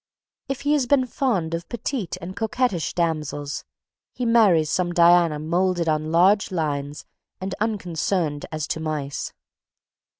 If he has been fond of petite and coquettish damsels, he marries some Diana moulded on large lines and unconcerned as to mice.